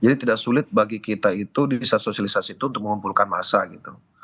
jadi tidak sulit bagi kita itu di sasar sosialisasi itu untuk mengumpulkan masa gitu